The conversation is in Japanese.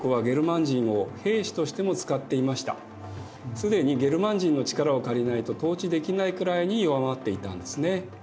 既にゲルマン人の力を借りないと統治できないくらいに弱まっていたんですね。